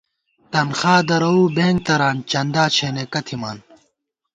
تَنخا درَوُو بېنک تران ، چندا چھېنېکہ تھِمان